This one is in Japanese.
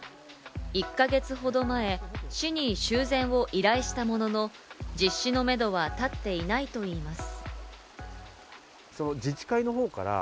１か月ほど前、市に修繕を依頼したものの、実施のめどは立っていないと言います。